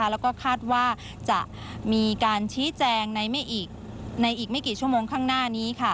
แล้วก็คาดว่าจะมีการชี้แจงในอีกไม่กี่ชั่วโมงข้างหน้านี้